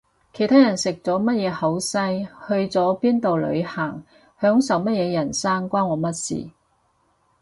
其他人食咗乜嘢好西去咗邊度旅行享受乜嘢人生關我乜事